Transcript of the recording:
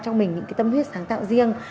trong mình những tâm huyết sáng tạo riêng